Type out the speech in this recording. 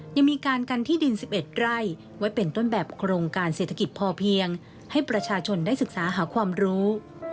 ยังมีการกันที่ดิน๑๑ไร่ไว้เป็นต้นแบบโครงการเศรษฐกิจพอเพียงให้ประชาชนได้ศึกษาหาความรู้